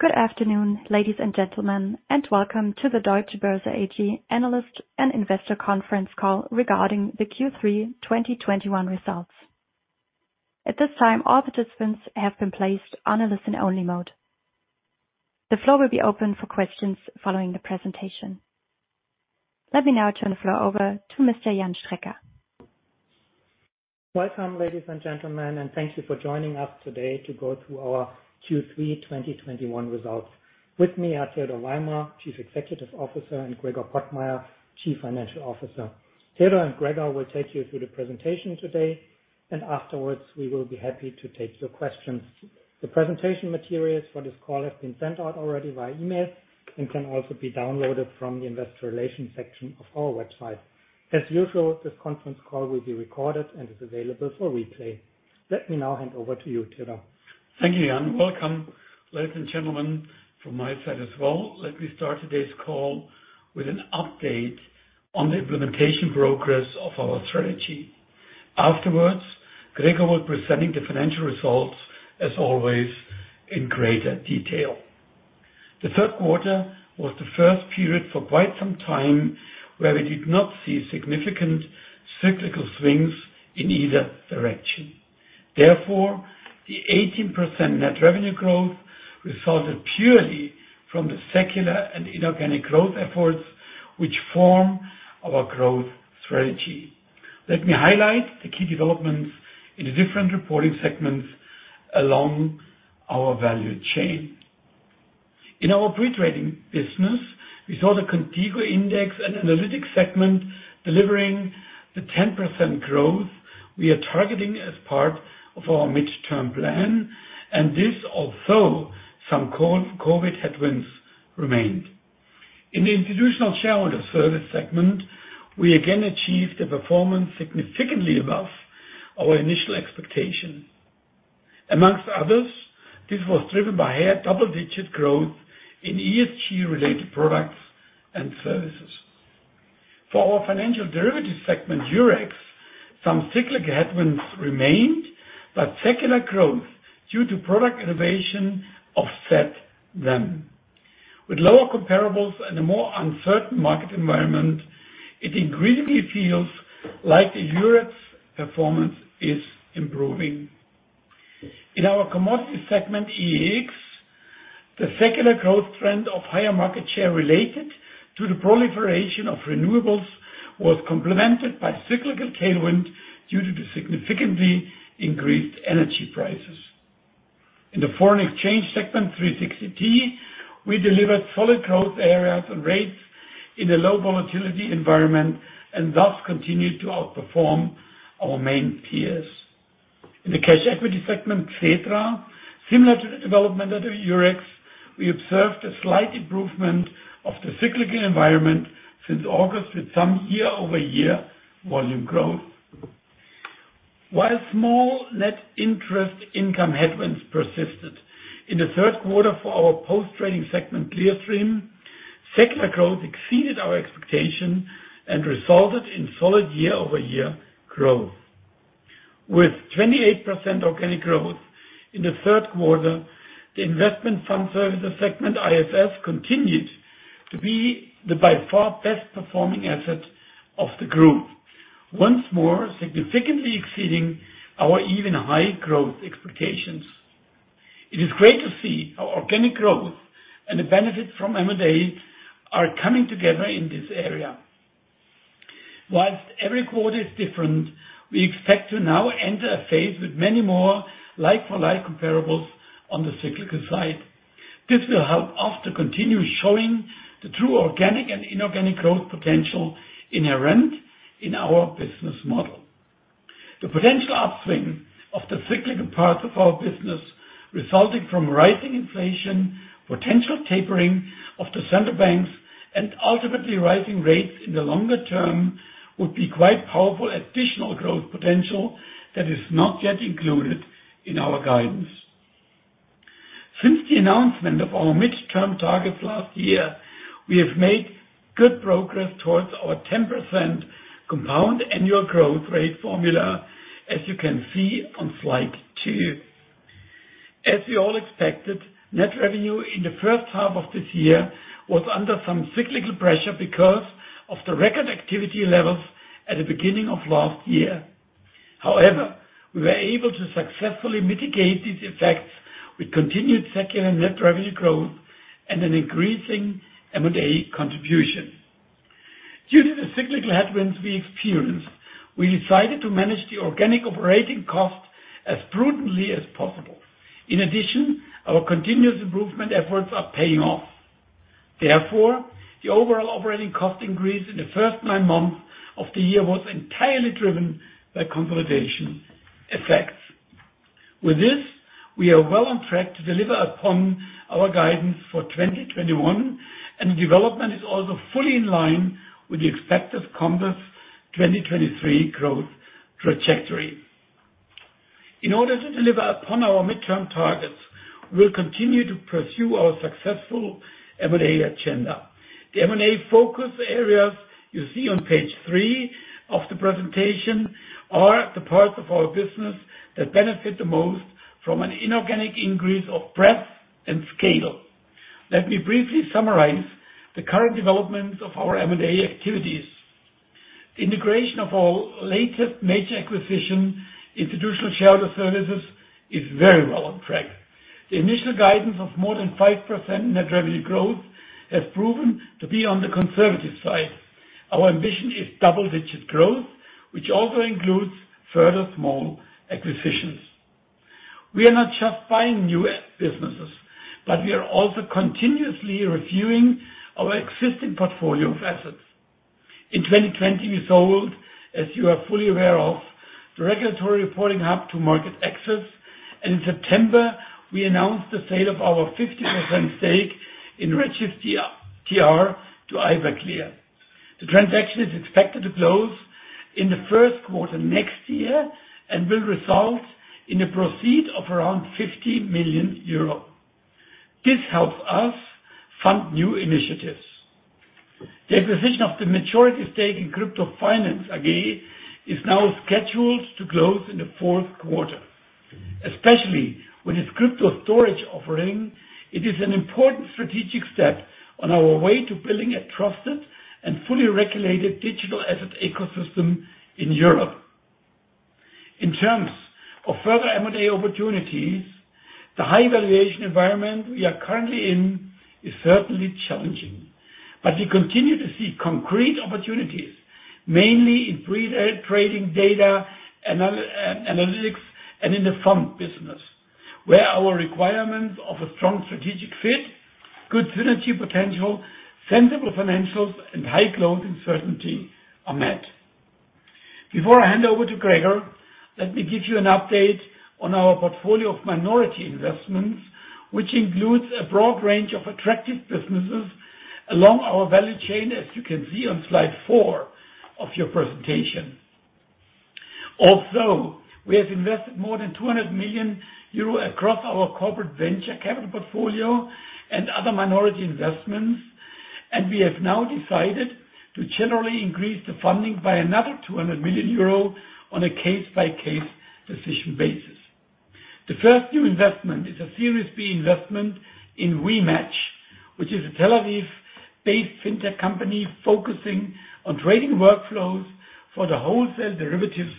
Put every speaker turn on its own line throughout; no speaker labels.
Good afternoon, ladies and gentlemen, and welcome to the Deutsche Börse AG Analyst and Investor Conference Call Regarding the Q3 2021 Results. At this time, all participants have been placed on a listen-only mode. The floor will be open for questions following the presentation. Let me now turn the floor over to Mr. Jan Strecker.
Welcome, ladies and gentlemen, and thank you for joining us today to go through our Q3 2021 results. With me are Theodor Weimer, Chief Executive Officer, and Gregor Pottmeyer, Chief Financial Officer. Theodor and Gregor will take you through the presentation today, and afterwards, we will be happy to take your questions. The presentation materials for this call have been sent out already via email and can also be downloaded from the investor relations section of our website. As usual, this conference call will be recorded and is available for replay. Let me now hand over to you, Theodor.
Thank you, Jan. Welcome, ladies and gentlemen, from my side as well. Let me start today's call with an update on the implementation progress of our strategy. Afterwards, Gregor will be presenting the financial results as always in greater detail. The third quarter was the first period for quite some time where we did not see significant cyclical swings in either direction. The 18% net revenue growth resulted purely from the secular and inorganic growth efforts, which form our growth strategy. Let me highlight the key developments in the different reporting segments along our value chain. In our pre-trading business, we saw the Qontigo Index and Analytics segment delivering the 10% growth we are targeting as part of our midterm plan, and this although some COVID headwinds remained. In the Institutional Shareholder Services segment, we again achieved a performance significantly above our initial expectations. Amongst others, this was driven by double-digit growth in ESG-related products and services. For our financial derivative segment, Eurex, some cyclic headwinds remained, but secular growth due to product innovation offset them. With lower comparables and a more uncertain market environment, it increasingly feels like Eurex performance is improving. In our commodity segment, EEX, the secular growth trend of higher market share related to the proliferation of renewables was complemented by cyclical tailwind due to the significantly increased energy prices. In the foreign exchange segment, 360T, we delivered solid growth areas and rates in a low volatility environment and thus continued to outperform our main peers. In the cash equity segment, Xetra, similar to the development of the Eurex, we observed a slight improvement of the cyclical environment since August with some year-over-year volume growth. While small net interest income headwinds persisted in the third quarter for our post-trading segment, Clearstream, secular growth exceeded our expectation and resulted in solid year-over-year growth. With 28% organic growth in the third quarter, the Investment Fund Services segment, IFS, continued to be the by far best-performing asset of the group. Once more, significantly exceeding our even high growth expectations. It is great to see our organic growth and the benefit from M&A are coming together in this area. While every quarter is different, we expect to now enter a phase with many more like-for-like comparables on the cyclical side. This will help us to continue showing the true organic and inorganic growth potential inherent in our business model. The potential upswing of the cyclical parts of our business resulting from rising inflation, potential tapering of the central banks, and ultimately rising rates in the longer term, would be quite powerful additional growth potential that is not yet included in our guidance. Since the announcement of our midterm targets last year, we have made good progress towards our 10% compound annual growth rate formula, as you can see on slide two. As we all expected, net revenue in the 1st half of this year was under some cyclical pressure because of the record activity levels at the beginning of last year. However, we were able to successfully mitigate these effects with continued secular net revenue growth and an increasing M&A contribution. Due to the cyclical headwinds we experienced, we decided to manage the organic operating cost as prudently as possible. In addition, our continuous improvement efforts are paying off. Therefore, the overall operating cost increase in the first nine months of the year was entirely driven by consolidation effects. With this, we are well on track to deliver upon our guidance for 2021, and development is also fully in line with the expected Compass 2023 growth trajectory. In order to deliver upon our midterm targets, we'll continue to pursue our successful M&A agenda. The M&A focus areas you see on page three of the presentation are the parts of our business that benefit the most from an inorganic increase of breadth and scale. Let me briefly summarize the current developments of our M&A activities. The integration of our latest major acquisition, Institutional Shareholder Services, is very well on track. The initial guidance of more than 5% net revenue growth has proven to be on the conservative side. Our ambition is double-digit growth, which also includes further small acquisitions. We are not just buying new businesses, but we are also continuously reviewing our existing portfolio of assets. In 2020, we sold, as you are fully aware of, the Regulatory Reporting Hub to MarketAxess, and in September, we announced the sale of our 50% stake in REGIS-TR to Iberclear. The transaction is expected to close in the first quarter next year and will result in a proceed of around 50 million euro. This helps us fund new initiatives. The acquisition of the majority stake in Crypto Finance AG is now scheduled to close in the fourth quarter. Especially with its crypto storage offering, it is an important strategic step on our way to building a trusted and fully regulated digital asset ecosystem in Europe. In terms of further M&A opportunities, the high valuation environment we are currently in is certainly challenging. We continue to see concrete opportunities, mainly in pre-trade trading data analytics and in the front business, where our requirements of a strong strategic fit, good synergy potential, sensible financials, and high closing certainty are met. Before I hand over to Gregor, let me give you an update on our portfolio of minority investments, which includes a broad range of attractive businesses along our value chain, as you can see on slide four of your presentation. We have invested more than 200 million euro across our corporate venture capital portfolio and other minority investments, and we have now decided to generally increase the funding by another 200 million euro on a case-by-case decision basis. The first new investment is a Series B investment in WeMatch, which is a Tel Aviv-based fintech company focusing on trading workflows for the wholesale derivatives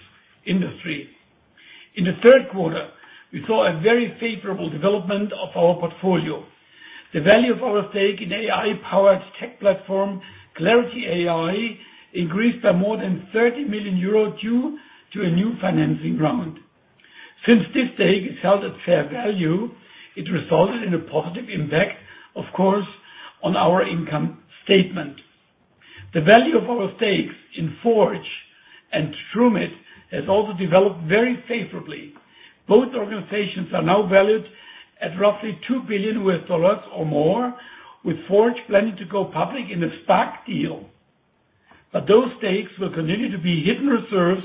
industry. In the third quarter, we saw a very favorable development of our portfolio. The value of our stake in AI-powered tech platform, Clarity AI, increased by more than 30 million euros due to a new financing round. Since this stake is held at fair value, it resulted in a positive impact, of course, on our income statement. The value of our stakes in Forge and Trumid has also developed very favorably. Both organizations are now valued at roughly EUR 2 billion or more, with Forge planning to go public in a SPAC deal. Those stakes will continue to be hidden reserves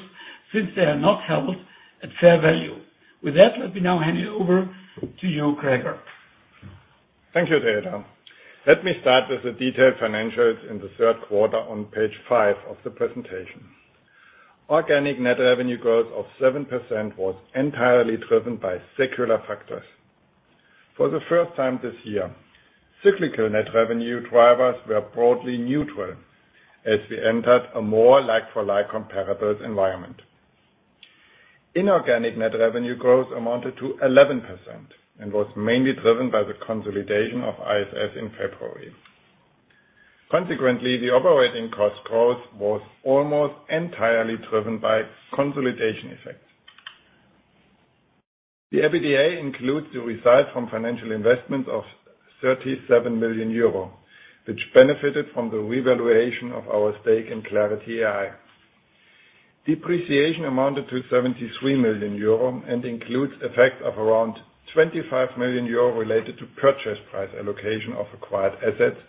since they are not held at fair value. With that, let me now hand it over to you, Gregor.
Thank you, Theodore. Let me start with the detailed financials in the third quarter on page five of the presentation. Organic net revenue growth of 7% was entirely driven by secular factors. For the first time this year, cyclical net revenue drivers were broadly neutral as we entered a more like-for-like comparable environment. Inorganic net revenue growth amounted to 11% and was mainly driven by the consolidation of ISS in February. Consequently, the operating cost growth was almost entirely driven by consolidation effects. The EBITDA includes the results from financial investments of 37 million euro, which benefited from the revaluation of our stake in Clarity AI. Depreciation amounted to 73 million euro and includes effects of around 25 million euro related to purchase price allocation of acquired assets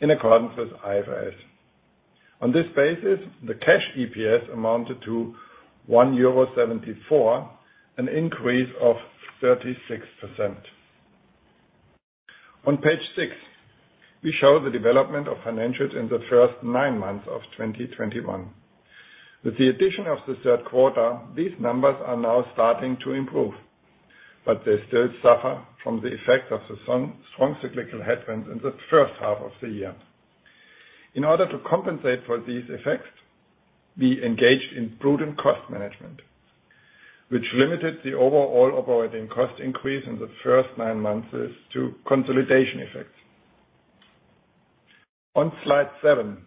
in accordance with IFRS. On this basis, the cash EPS amounted to 1.74 euro, an increase of 36%. On page six, we show the development of financials in the first 9 months of 2021. With the addition of the third quarter, these numbers are now starting to improve, but they still suffer from the effect of the strong cyclical headwinds in the first half of the year. In order to compensate for these effects, we engaged in prudent cost management, which limited the overall operating cost increase in the first 9 months to consolidation effects. On slide seven,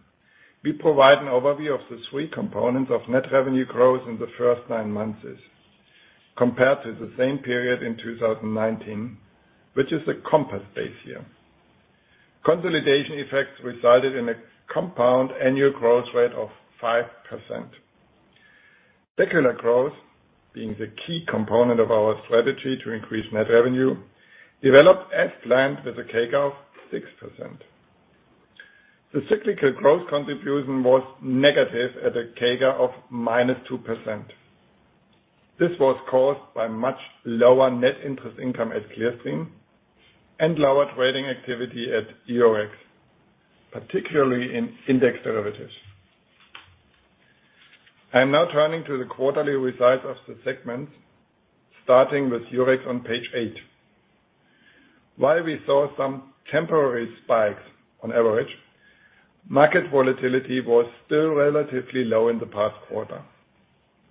we provide an overview of the three components of net revenue growth in the first 9 months compared to the same period in 2019, which is the Compass base year. Consolidation effects resulted in a compound annual growth rate of 5%. Secular growth, being the key component of our strategy to increase net revenue, developed as planned with a CAGR of 6%. The cyclical growth contribution was negative at a CAGR of -2%. This was caused by much lower net interest income at Clearstream and lower trading activity at Eurex, particularly in index derivatives. I am now turning to the quarterly results of the segments, starting with Eurex on page eight. While we saw some temporary spikes on average, market volatility was still relatively low in the past quarter.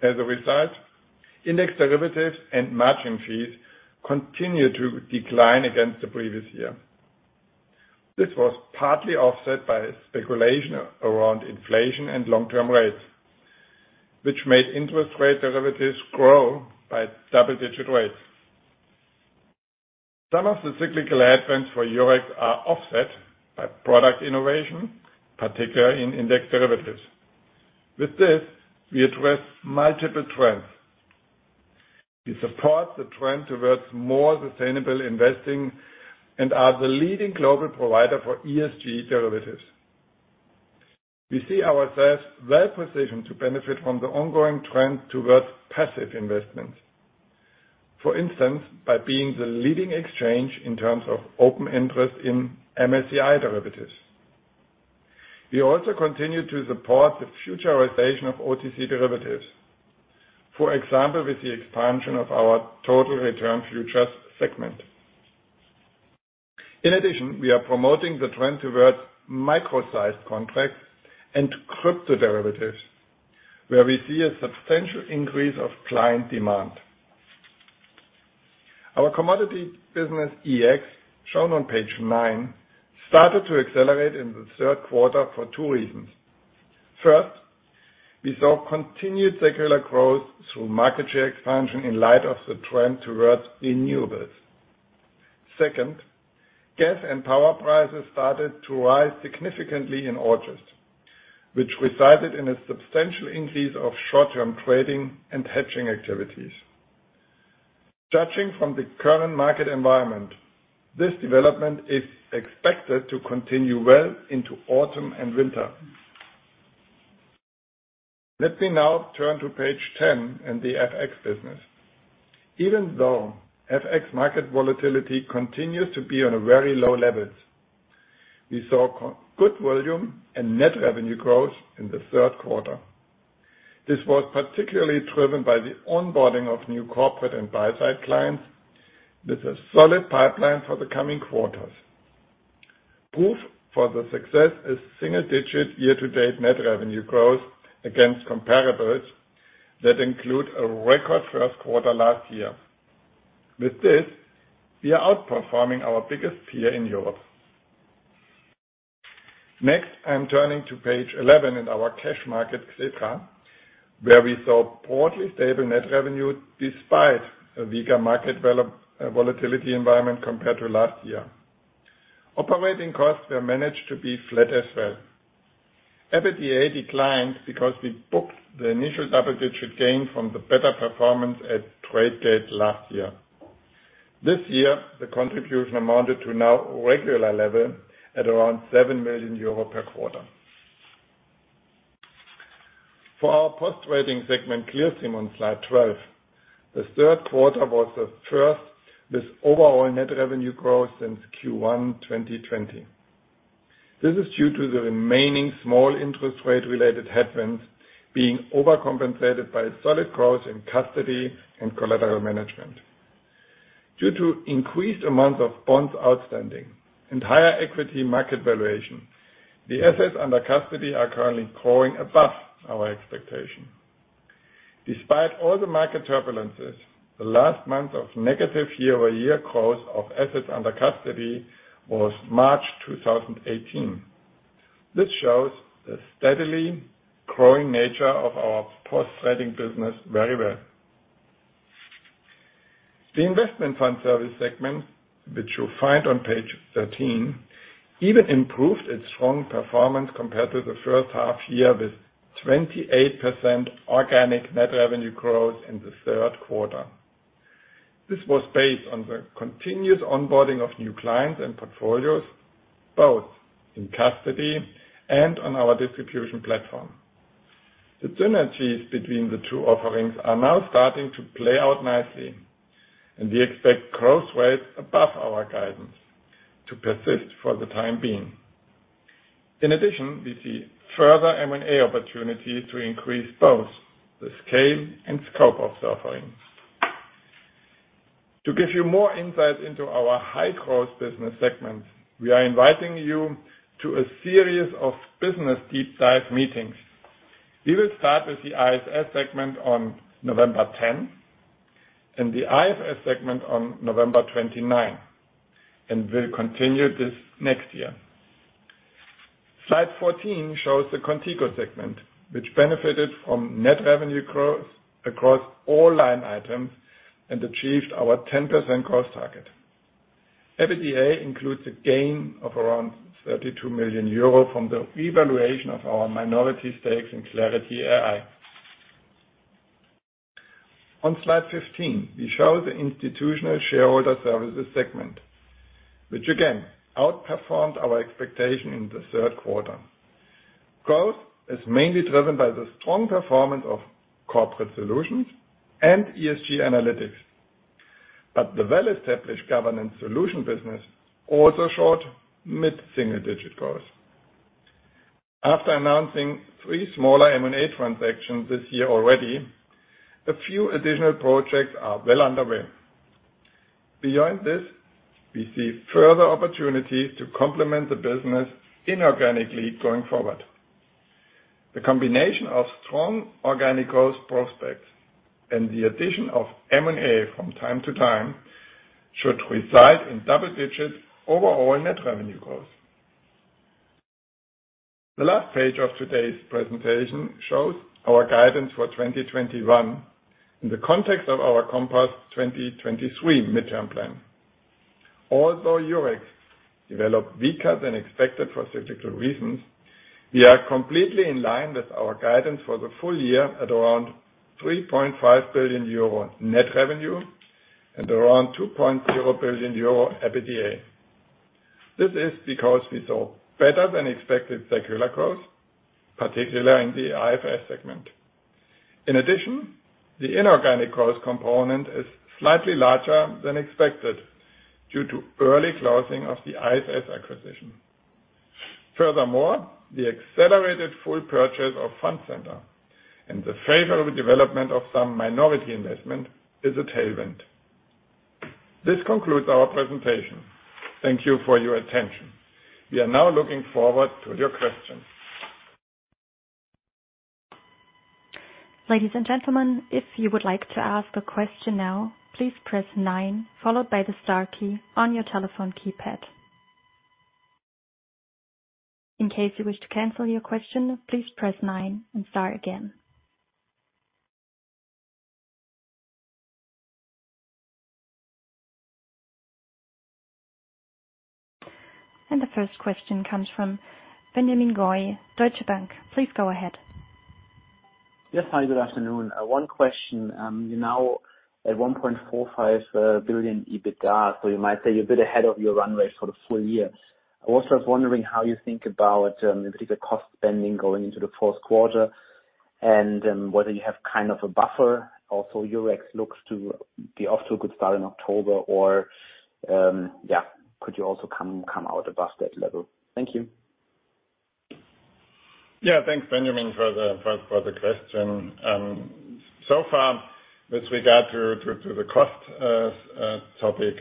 As a result, index derivatives and matching fees continued to decline against the previous year. This was partly offset by speculation around inflation and long-term rates, which made interest rate derivatives grow by double-digit rates. Some of the cyclical headwinds for Eurex are offset by product innovation, particularly in index derivatives. With this, we address multiple trends. We support the trend towards more sustainable investing and are the leading global provider for ESG derivatives. We see ourselves well-positioned to benefit from the ongoing trend towards passive investment. For instance, by being the leading exchange in terms of open interest in MSCI derivatives. We also continue to support the futurization of OTC derivatives. For example, with the expansion of our Total Return Futures segment. In addition, we are promoting the trend towards micro-sized contracts and crypto derivatives, where we see a substantial increase of client demand. Our commodity business, EEX, shown on page nine, started to accelerate in the third quarter for two reasons. First, we saw continued secular growth through market share expansion in light of the trend towards renewables. Second, gas and power prices started to rise significantly in August, which resulted in a substantial increase of short-term trading and hedging activities. Judging from the current market environment, this development is expected to continue well into autumn and winter. Let me now turn to page 10 and the FX Business. Even though FX market volatility continues to be on very low levels, we saw good volume and net revenue growth in the third quarter. This was particularly driven by the onboarding of new corporate and buy-side clients, with a solid pipeline for the coming quarters. Proof of the success is single-digit year-to-date net revenue growth against comparables that include a record first quarter last year. With this, we are outperforming our biggest peer in Europe. Next, I am turning to page 11 in our Cash Market, Xetra, where we saw broadly stable net revenue despite a weaker market volatility environment compared to last year. Operating costs were managed to be flat as well. EBITDA declined because we booked the initial double-digit gain from the better performance at Tradegate last year. This year, the contribution amounted to now regular level at around 7 million euro per quarter. For our post-trading segment, Clearstream, on slide 12, the third quarter was the first with overall net revenue growth since Q1 2020. This is due to the remaining small interest rate-related headwinds being overcompensated by solid growth in custody and collateral management. Due to increased amounts of bonds outstanding and higher equity market valuation, the assets under custody are currently growing above our expectation. Despite all the market turbulences, the last month of negative year-over-year growth of assets under custody was March 2018. This shows the steadily growing nature of our post-trading business very well. The Investment Fund Services segment, which you'll find on page 13, even improved its strong performance compared to the first half year, with 28% organic net revenue growth in the third quarter. This was based on the continuous onboarding of new clients and portfolios, both in custody and on our distribution platform. The synergies between the two offerings are now starting to play out nicely, and we expect growth rates above our guidance to persist for the time being. In addition, we see further M&A opportunities to increase both the scale and scope of offerings. To give you more insight into our high-growth business segments, we are inviting you to a series of business deep-dive meetings. We will start with the ISS segment on November 10th and the IFS segment on November 29th. We'll continue this next year. Slide 14 shows the Qontigo segment, which benefited from net revenue growth across all line items and achieved our 10% cost target. EBITDA includes a gain of around 32 million euro from the revaluation of our minority stakes in Clarity AI. On slide 15, we show the Institutional Shareholder Services segment, which again, outperformed our expectation in the third quarter. Growth is mainly driven by the strong performance of corporate solutions and ESG analytics. The well-established governance solution business also showed mid-single-digit growth. After announcing three smaller M&A transactions this year already, a few additional projects are well underway. Beyond this, we see further opportunities to complement the business inorganically going forward. The combination of strong organic growth prospects and the addition of M&A from time to time should result in double-digit overall net revenue growth. The last page of today's presentation shows our guidance for 2021 in the context of our Compass 2023 midterm plan. Although Eurex developed weaker than expected for cyclical reasons, we are completely in line with our guidance for the full year at around 3.5 billion euro net revenue and around 2.0 billion euro EBITDA. This is because we saw better than expected secular growth, particularly in the IFS segment. The inorganic growth component is slightly larger than expected due to early closing of the IFS acquisition. Furthermore, the accelerated full purchase of FundCenter and the favorable development of some minority investment is a tailwind. This concludes our presentation. Thank you for your attention. We are now looking forward to your questions.
Ladies and gentlemen, if you would like to ask a question now, please press nine followed by the star key on your telephone keypad. In case you wish to cancel your question, please press nine and star again. The first question comes from Benjamin Goy, Deutsche Bank. Please go ahead.
Yes. Hi, good afternoon. One question. You're now at 1.45 billion EBITDA. You might say you're a bit ahead of your run rate for the full year. I also was wondering how you think about in particular cost spending going into the fourth quarter and whether you have kind of a buffer. Eurex looks to be off to a good start in October, or could you also come out above that level? Thank you.
Yeah. Thanks, Benjamin for the question. Far with regard to the cost topic.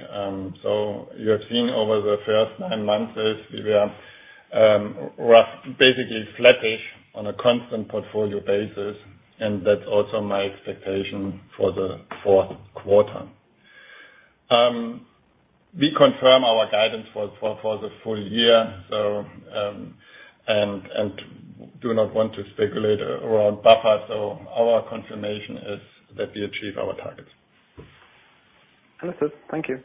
You have seen over the first 9 months is we are basically flattish on a constant portfolio basis, and that's also my expectation for the fourth quarter. We confirm our guidance for the full year and do not want to speculate around buffers. Our confirmation is that we achieve our targets.
Understood. Thank you.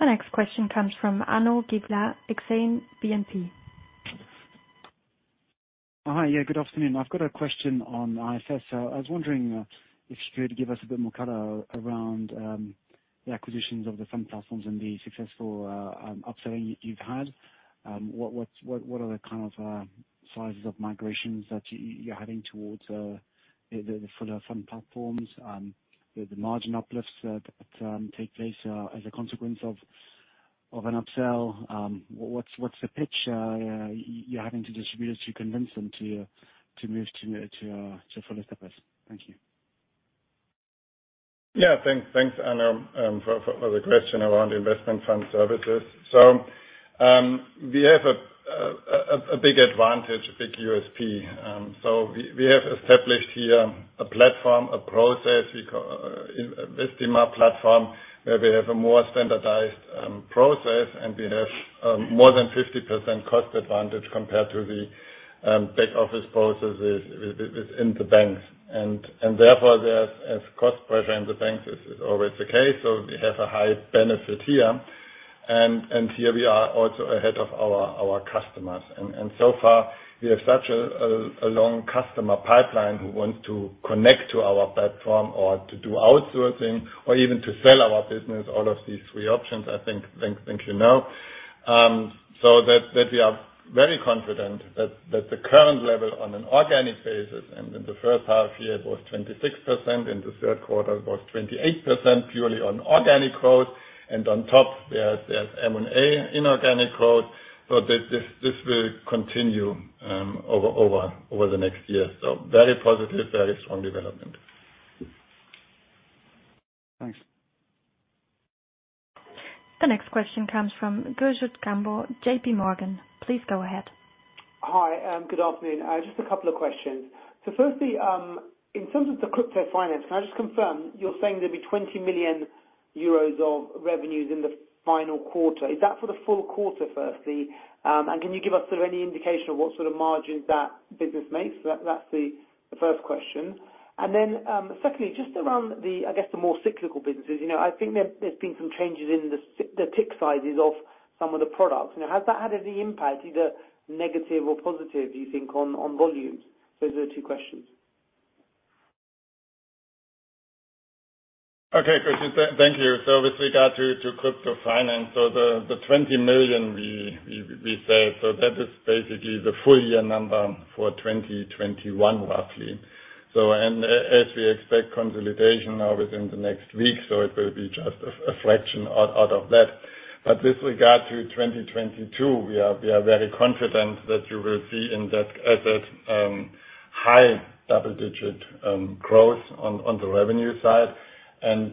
The next question comes from Arnaud Giblat with Exane BNP.
Hi. Yeah, good afternoon. I've got a question on IFS. I was wondering if you could give us a bit more color around the acquisitions of the fund platforms and the successful upselling you've had. What are the kind of sizes of migrations that you're having towards the fuller fund platforms, the margin uplifts that take place as a consequence of an upsell? What's the pitch you're having to distributors to convince them to move to fuller service? Thank you.
Thanks, Arnaud, for the question around Investment Fund Services. We have a big advantage, a big USP. We have established here a platform, a process, Vestima platform, where we have a more standardized process, and we have more than 50% cost advantage compared to the back office processes within the banks. Therefore, there's cost pressure in the banks is always the case. We have a high benefit here. Here we are also ahead of our customers. So far we have such a long customer pipeline who want to connect to our platform or to do outsourcing or even to sell our business. All of these three options, I think you know. That we are very confident that the current level on an organic basis and in the first half-year was 26%, in the third quarter was 28%, purely on organic growth. On top there's M&A inorganic growth. This will continue over the next year. Very positive, very strong development.
Thanks.
The next question comes from Gurjit Kambo, JPMorgan. Please go ahead.
Hi, good afternoon. Just a couple of questions. Firstly, in terms of the Crypto Finance, can I just confirm you're saying there'll be 20 million euros of revenues in the final quarter? Is that for the full quarter, firstly? Can you give us any indication of what sort of margins that business makes? That's the first question. Then secondly, just around the, I guess, the more cyclical businesses. I think there's been some changes in the tick sizes of some of the products. Now, has that had any impact, either negative or positive, do you think, on volumes? Those are the two questions.
Okay, Gurjit, thank you. With regard to Crypto Finance, the 20 million we said, that is basically the full year number for 2021, roughly. As we expect consolidation now within the next week, it will be just a fraction out of that. With regard to 2022, we are very confident that you will see in that asset high double-digit growth on the revenue side.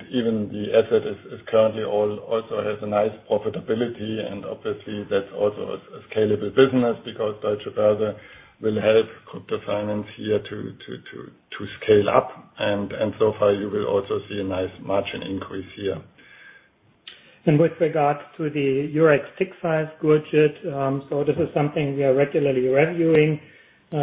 Even the asset currently also has a nice profitability, and obviously, that's also a scalable business because Deutsche Börse will help Crypto Finance here to scale up. So far, you will also see a nice margin increase here.
With regards to the Eurex tick size, Gurjit, this is something we are regularly reviewing,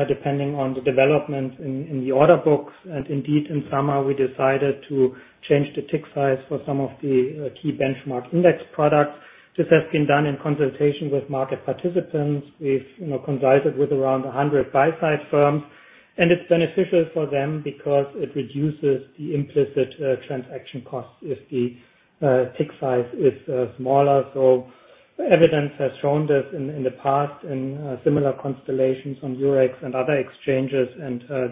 depending on the development in the order books. Indeed, in summer, we decided to change the tick size for some of the key benchmark index products. This has been done in consultation with market participants. We've consulted with around 100 buy-side firms, it's beneficial for them because it reduces the implicit transaction cost if the tick size is smaller. Evidence has shown this in the past in similar constellations on Eurex and other exchanges,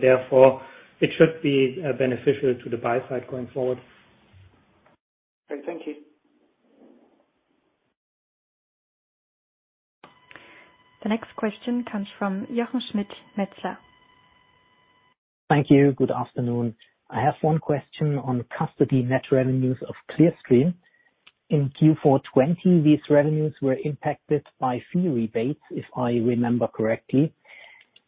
therefore, it should be beneficial to the buy side going forward.
Great. Thank you.
The next question comes from Jochen Schmitt, Metzler.
Thank you. Good afternoon. I have one question on custody net revenues of Clearstream. In Q4 2020, these revenues were impacted by fee rebates, if I remember correctly.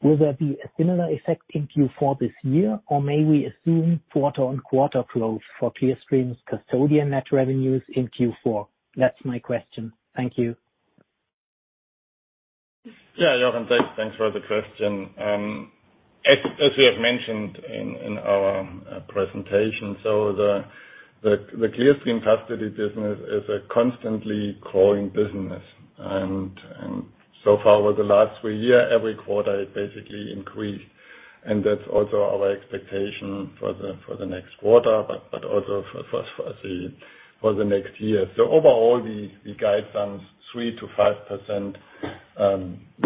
Will there be a similar effect in Q4 this year, or may we assume quarter-on-quarter growth for Clearstream's custodian net revenues in Q4? That's my question. Thank you.
Yeah, Jochen, thanks for the question. As we have mentioned in our presentation, so the Clearstream custody business is a constantly growing business. So far, over the last 3 years, every quarter it basically increased, and that's also our expectation for the next quarter, but also for the next year. Overall, we guide some 3%-5%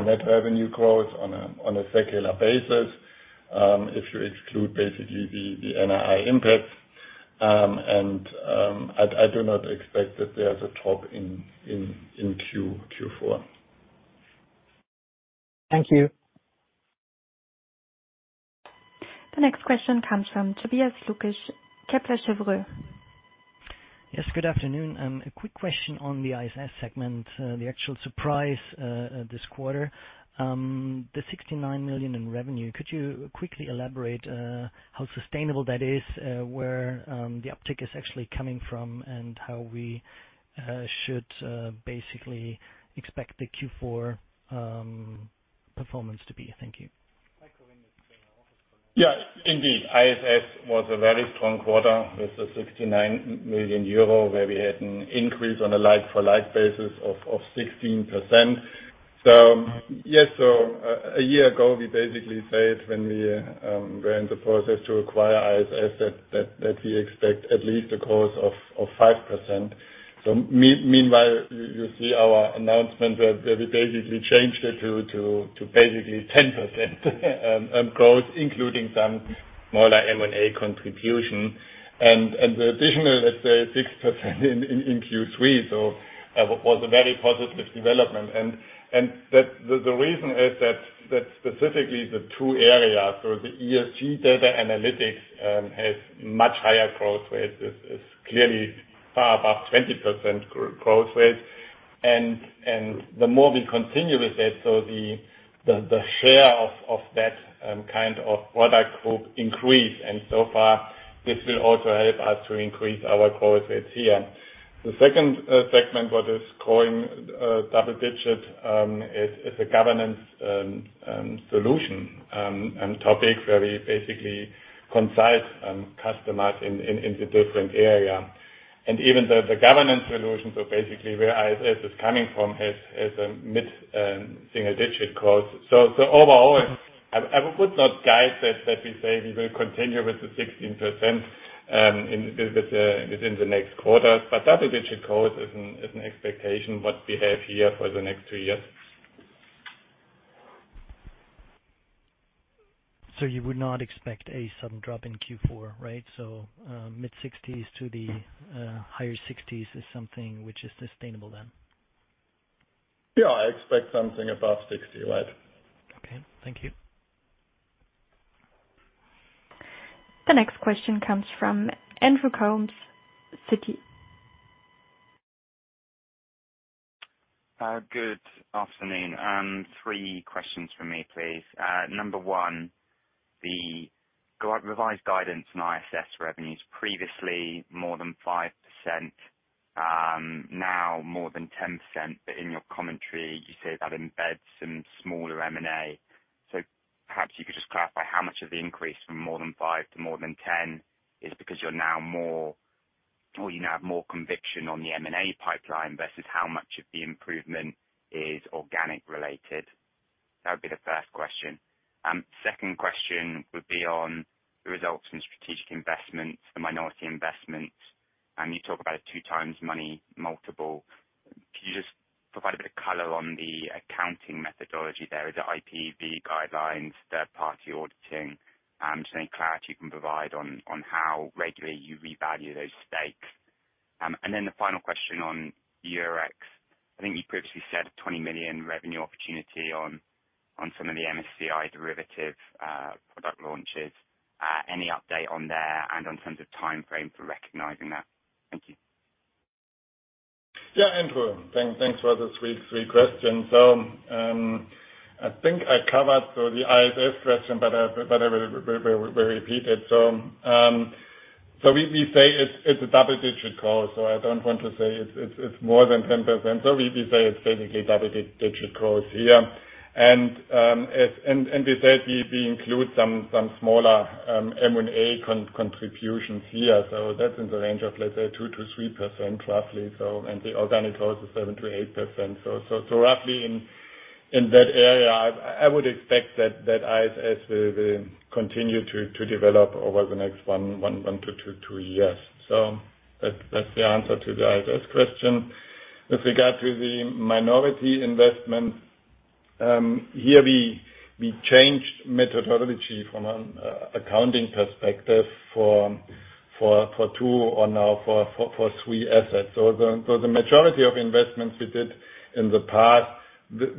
net revenue growth on a secular basis, if you exclude basically the NII impact. I do not expect that there's a top in Q4.
Thank you.
The next question comes from Tobias Lukesch, Kepler Cheuvreux.
Yes, good afternoon. A quick question on the IFS segment, the actual surprise this quarter. The 69 million in revenue. Could you quickly elaborate how sustainable that is, where the uptick is actually coming from, and how we should basically expect the Q4 performance to be? Thank you.
Indeed. IFS was a very strong quarter with the 69 million euro, where we had an increase on a like for like basis of 16%. Yes, a year ago, we basically said when we were in the process to acquire IFS that we expect at least a growth of 5%. Meanwhile, you see our announcement where we basically changed it to basically 10% growth, including some smaller M&A contribution. The additional, let's say, 6% in Q3. That was a very positive development. The reason is that specifically the two areas, so the ESG data analytics has much higher growth rates, is clearly far above 20% growth rates. The more we continue with it, so the share of that kind of product group increase. So far, this will also help us to increase our growth rates here. The second segment, what is growing double digits, is the Governance Solutions, and topics where we are basically concise customize in the different area. Even the Governance Solutions are basically where IFS is coming from as a mid-single-digit growth. Overall, I would not guide that we say we will continue with the 16% within the next quarter, but double-digit growth is an expectation what we have here for the next 3 years.
You would not expect a sudden drop in Q4, right? Mid-60s to the higher 60s is something which is sustainable then?
Yeah, I expect something above 60 millions, right.
Okay, thank you.
The next question comes from Andrew Coombs, Citi.
Good afternoon. Three questions from me, please. Number one, the revised guidance on IFS revenues, previously more than 5%, now more than 10%. In your commentary, you say that embeds some smaller M&A. Perhaps you could just clarify how much of the increase from more than 5% to more than 10% is because you now have more conviction on the M&A pipeline versus how much of the improvement is organic related? That would be the first question. Second question would be on the results from strategic investments and minority investments. You talk about 2x money multiple. Could you just provide a bit of color on the accounting methodology there? Is it IPEV guidelines, third-party auditing? Just any clarity you can provide on how regularly you revalue those stakes. The final question on Eurex. I think you previously said 20 million revenue opportunity on some of the MSCI derivative product launches. Any update on there and on terms of timeframe for recognizing that? Thank you.
Yeah, Andrew, thanks for the three questions. I think I covered the IFS question, we repeat it. We say it's a double-digit growth, I don't want to say it's more than 10%, we say it's basically double-digit growth here. We said we include some smaller M&A contributions here. That's in the range of, let's say 2%-3% roughly, the organic growth is 7%-8%. Roughly in that area, I would expect that IFS will continue to develop over the next 1-2 years. That's the answer to the IFS question. With regard to the minority investment, here we changed methodology from an accounting perspective for 2 or now for 3 assets. The majority of investments we did in the past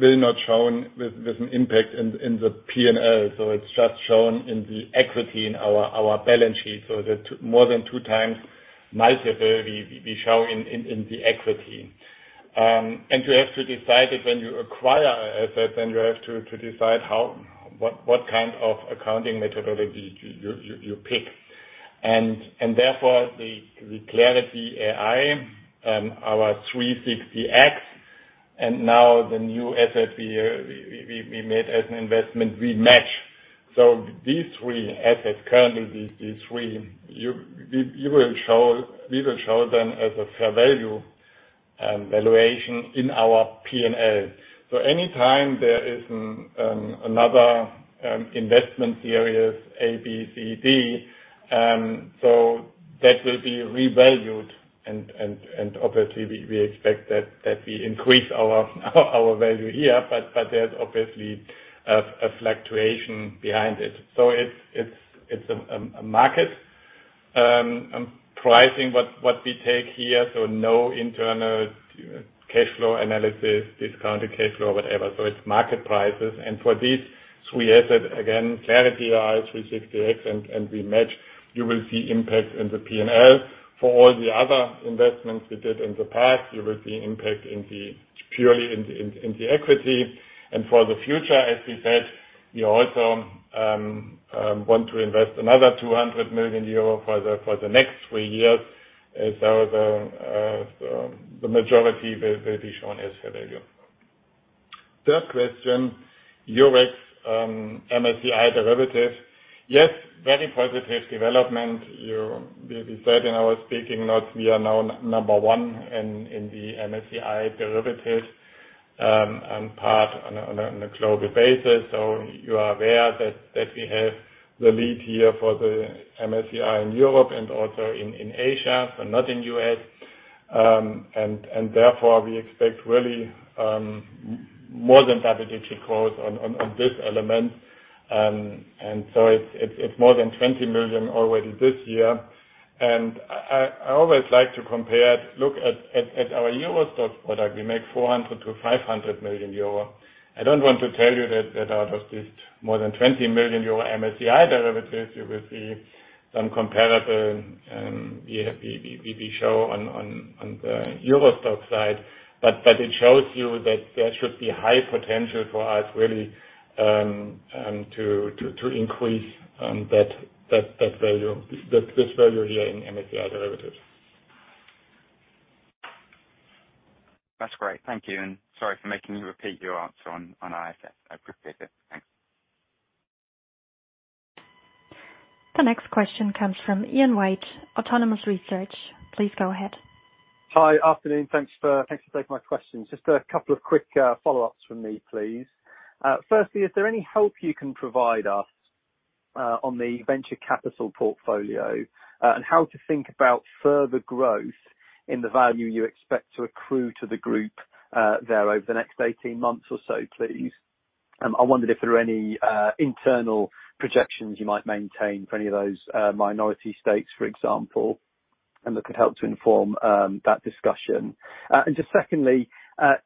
will not shown with an impact in the P&L. It's just shown in the equity in our balance sheet. That more than 2x multiple we show in the equity. You have to decide that when you acquire assets, then you have to decide what kind of accounting methodology you pick. Therefore, the Clarity AI, our 360X, and now the new asset we made as an investment, Wematch. These three assets currently, we will show them as a fair value valuation in our P&L. Any time there is another investment areas, A, B, C, D, that will be revalued, and obviously we expect that we increase our value here, but there's obviously a fluctuation behind it. It's a market pricing what we take here, so no internal cash flow analysis, discounted cash flow, whatever. It's market prices. For these three assets, again, Clarity AI, 360X and Wematch, you will see impact in the P&L. For all the other investments we did in the past, you will see impact purely in the equity. For the future, as we said, we also want to invest another 200 million euro for the next 3 years as the majority will be shown as fair value. Third question, Eurex, MSCI derivative. Yes, very positive development. We said in our speaking notes we are now number one in the MSCI derivative on par on a global basis. You are aware that we have the lead here for the MSCI in Europe and also in Asia, but not in U.S. Therefore, we expect really more than double-digit growth on this element. It is more than 20 million already this year. I always like to compare, look at our EURO STOXX product, we make 400 million-500 million euro. I don't want to tell you that out of this more than 20 million euro MSCI derivatives, you will see some comparable we show on the EURO STOXX side. It shows you that there should be high potential for us really to increase this value here in MSCI derivative.
That's great. Thank you, and sorry for making you repeat your answer on IFS. I appreciate it. Thanks.
The next question comes from Ian White, Autonomous Research. Please go ahead.
Hi. Afternoon. Thanks for taking my questions. Just a couple of quick follow-ups from me, please. Firstly, is there any help you can provide us on the venture capital portfolio and how to think about further growth in the value you expect to accrue to the group there over the next 18 months or so, please? I wondered if there are any internal projections you might maintain for any of those minority stakes, for example, that could help to inform that discussion. Just secondly,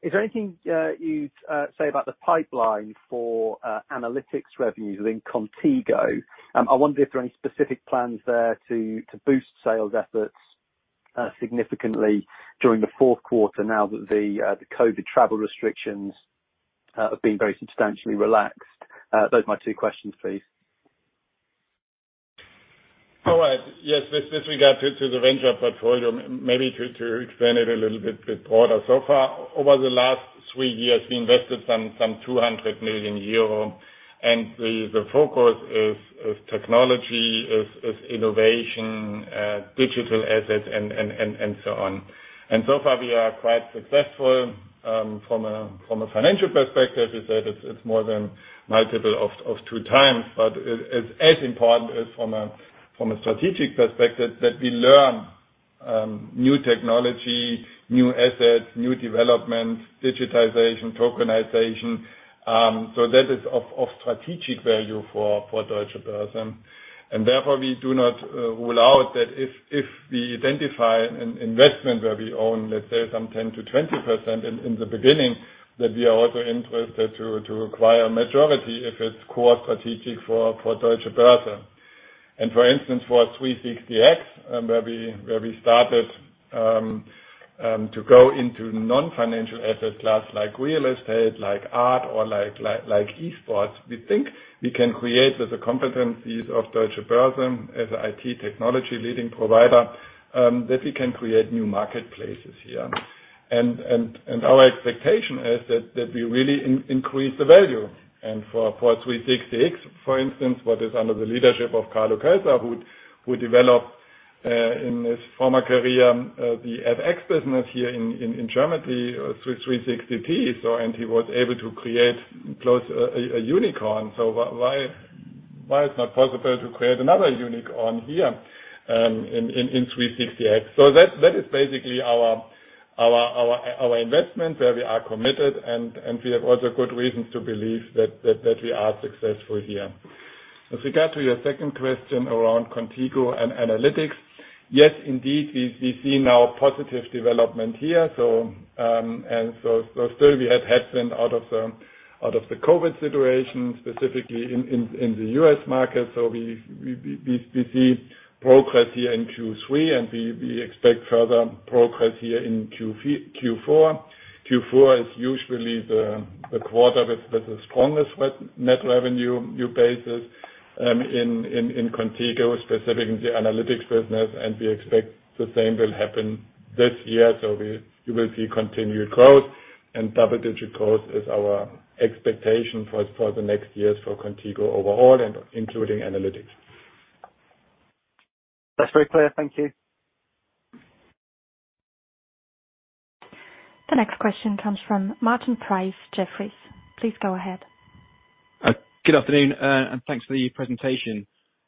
is there anything you'd say about the pipeline for analytics revenues in Qontigo? I wonder if there are any specific plans there to boost sales efforts significantly during the fourth quarter now that the COVID travel restrictions have been very substantially relaxed. Those are my two questions, please.
All right. Yes. With regard to the venture portfolio, maybe to explain it a little bit broader. So far, over the last 3 years, we invested some 200 million euros. The focus is technology, is innovation, digital assets, and so on. So far, we are quite successful from a financial perspective is that it's more than multiple of 2x. As important is from a strategic perspective, that we learn new technology, new assets, new developments, digitization, tokenization. That is of strategic value for Deutsche Börse. Therefore, we do not rule out that if we identify an investment where we own, let's say some 10%-20% in the beginning, that we are also interested to acquire a majority if it's core strategic for Deutsche Börse. For instance, for 360X, where we started to go into non-financial asset class, like real estate, like art, or like esports. We think we can create with the competencies of Deutsche Börse as a IT technology leading provider, that we can create new marketplaces here. Our expectation is that we really increase the value. For 360X, for instance, what is under the leadership of Carlo Kölzer, who developed, in his former career, the FX business here in Germany, 360T. He was able to create, close a unicorn. Why is it not possible to create another unicorn here in 360X? That is basically our investment, where we are committed, and we have also good reasons to believe that we are successful here. With regard to your second question around Qontigo and analytics, yes, indeed, we see now a positive development here. Still, we had headwind out of the COVID situation, specifically in the U.S. market. We see progress here in Q3, and we expect further progress here in Q4. Q4 is usually the quarter with the strongest net revenue, new basis in Qontigo, specifically in the analytics business, and we expect the same will happen this year. You will see continued growth and double-digit growth is our expectation for the next years for Qontigo overall and including analytics.
That's very clear. Thank you.
The next question comes from Martin Price, Jefferies. Please go ahead.
Good afternoon, and thanks for the presentation.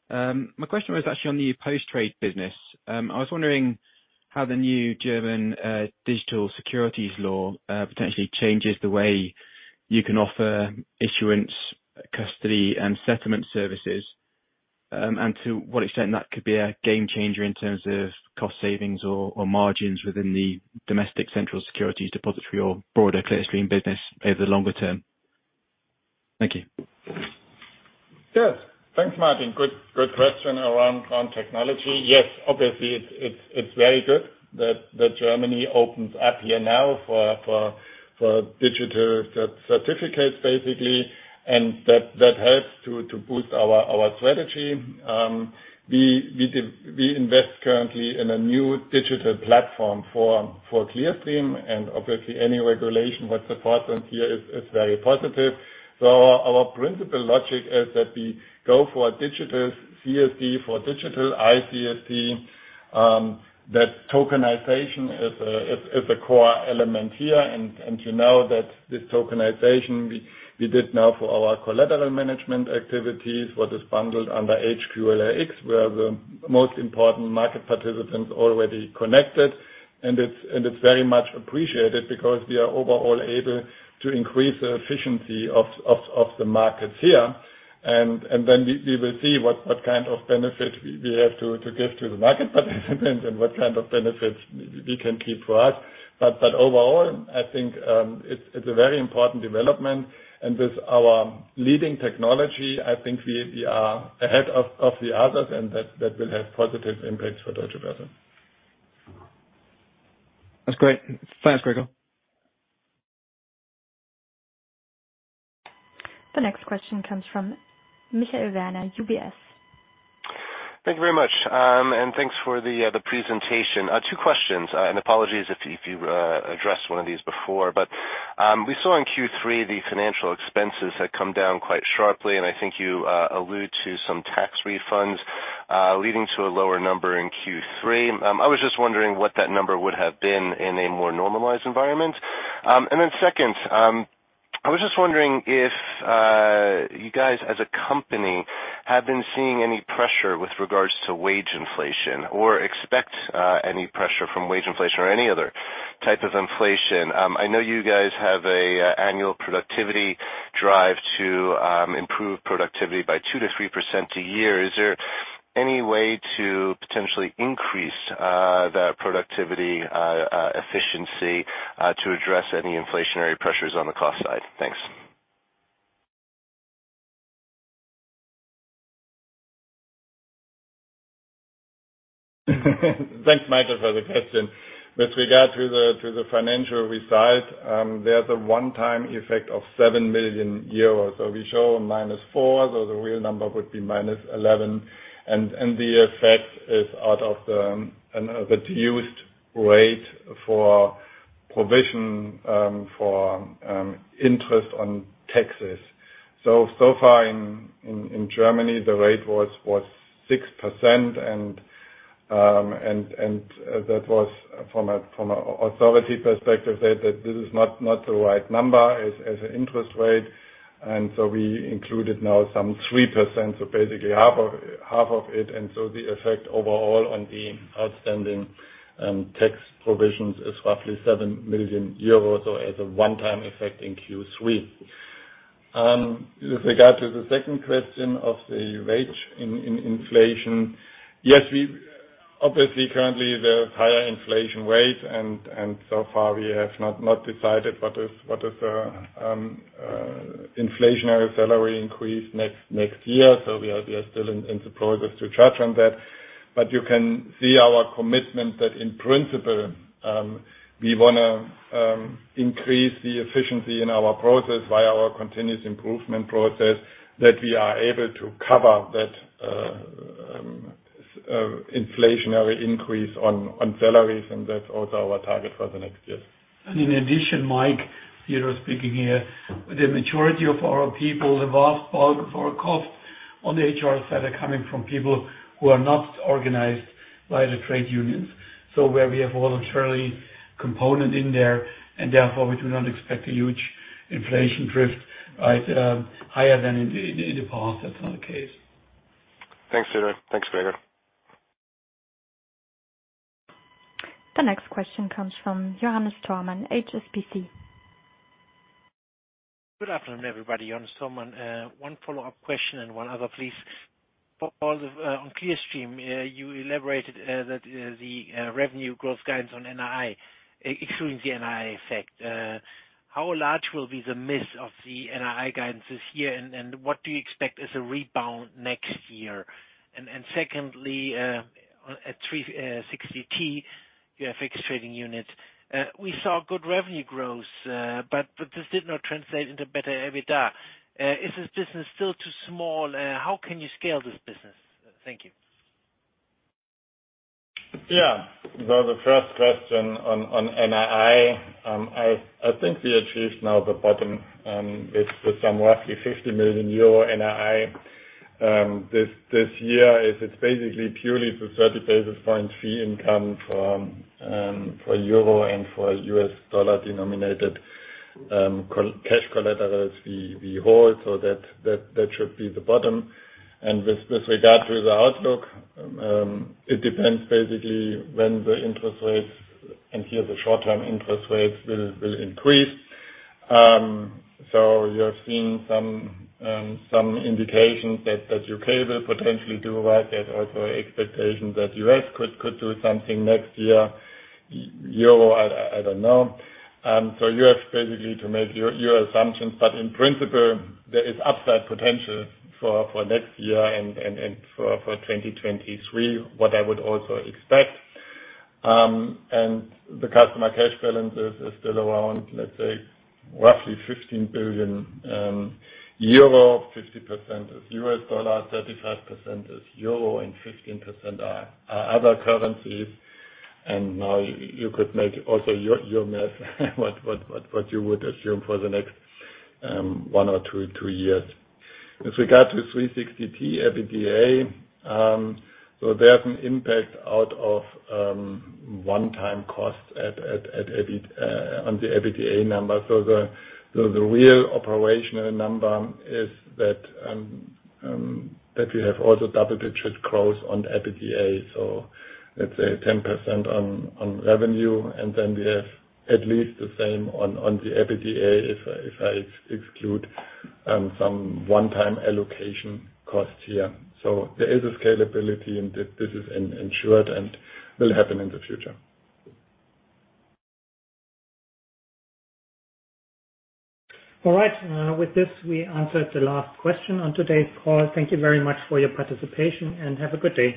My question was actually on the post-trade business. I was wondering how the new German Electronic Securities Act potentially changes the way you can offer issuance, custody, and settlement services. To what extent that could be a game changer in terms of cost savings or margins within the domestic central securities depository or broader Clearstream business over the longer term? Thank you.
Yes. Thanks, Martin. Good question around technology. Yes, obviously, it's very good that Germany opens up here now for digital certificates, basically, and that helps to boost our strategy. We invest currently in a new digital platform for Clearstream. Obviously, any regulation that supports us here is very positive. Our principal logic is that we go for a digital CSD, for digital ICSD. That tokenization is a core element here. You know that this tokenization we did now for our collateral management activities, what is bundled under HQLAx, where the most important market participants already connected. It's very much appreciated because we are overall able to increase the efficiency of the markets here. Then we will see what kind of benefit we have to give to the market participants and what kind of benefits we can keep for us. Overall, I think it's a very important development. With our leading technology, I think we are ahead of the others, and that will have positive impacts for Deutsche Börse.
That's great. Thanks, Gregor.
The next question comes from Michael Werner, UBS.
Thank you very much. Thanks for the presentation. Two questions, and apologies if you addressed one of these before. We saw in Q3 the financial expenses had come down quite sharply, and I think you allude to some tax refunds leading to a lower number in Q3. I was just wondering what that number would have been in a more normalized environment? Second, I was just wondering if you guys as a company have been seeing any pressure with regards to wage inflation or expect any pressure from wage inflation or any other type of inflation. I know you guys have an annual productivity drive to improve productivity by 2%-3% a year. Is there any way to potentially increase that productivity efficiency to address any inflationary pressures on the cost side? Thanks.
Thanks, Michael, for the question. With regard to the financial result, there's a one-time effect of 7 million euros. We show a -4 million, so the real number would be -11 million. The effect is out of the reduced rate for provision for interest on taxes. So far in Germany, the rate was 6%, and that was from an authority perspective, said that this is not the right number as an interest rate. We included now some 3%, basically half of it. The effect overall on the outstanding tax provisions is roughly 7 million euros, as a one-time effect in Q3. With regard to the second question of the wage inflation. Yes, obviously currently there's higher inflation rates, and so far, we have not decided what is the inflationary salary increase next year. We are still in the process to judge on that. You can see our commitment that in principle, we want to increase the efficiency in our process via our continuous improvement process, that we are able to cover that inflationary increase on salaries, and that is also our target for the next years.
In addition, Michael, Theodor Weimer speaking here. The majority of our people, the vast bulk of our costs on the HR side are coming from people who are not organized by the trade unions. Where we have voluntary component in there, and therefore we do not expect a huge inflation drift higher than in the past. That's not the case.
Thanks, Theodore. Thanks, Gregor.
The next question comes from Johannes Thormann, HSBC.
Good afternoon, everybody. Johannes Thormann. One follow-up question and one other, please. Both, on Clearstream, you elaborated that the revenue growth guidance on NII, excluding the NII effect. How large will be the miss of the NII guidances here, and what do you expect as a rebound next year? Secondly, at 360T, your FX trading unit. We saw good revenue growth, but this did not translate into better EBITDA. Is this business still too small? How can you scale this business? Thank you.
Well, the first question on NII, I think we achieved now the bottom with some roughly 50 million euro NII this year. It's basically purely for 30 basis points fee income for euro and for U.S. dollar-denominated cash collateral we hold. That should be the bottom. With regard to the outlook, it depends basically when the interest rates, and here the short-term interest rates will increase. You have seen some indications that U.K. will potentially do right. There are also expectations that U.S. could do something next year. Euro, I don't know. You have basically to make your assumptions, but in principle, there is upside potential for next year and for 2023, what I would also expect. The customer cash balances are still around, let's say, roughly 15 billion euro, 50% is US dollar, 35% is euro, and 15% are other currencies. Now you could make also your math, what you would assume for the next 1, 2 or 3 years. With regard to 360T EBITDA, there's an impact out of one-time costs on the EBITDA number. The real operational number is that we have also double-digit growth on EBITDA. Let's say 10% on revenue, and then we have at least the same on the EBITDA if I exclude some one-time allocation costs here. There is a scalability, and this is ensured and will happen in the future.
All right. With this, we answered the last question on today's call. Thank you very much for your participation and have a good day.